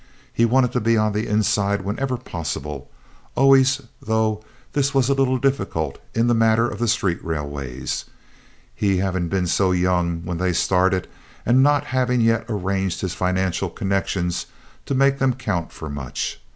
He wanted to be on the inside wherever possible, always, though this was a little difficult in the matter of the street railways, he having been so young when they started and not having yet arranged his financial connections to make them count for much.